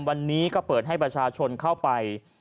วันนี้ก็เปิดให้ประชาชนเข้าไป